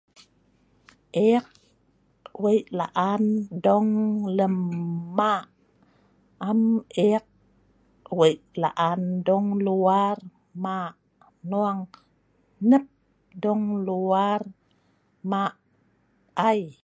ek weik la'an dong lem ma' am ek weik la'an dong luar ma' hnung nep dong luar ma' ai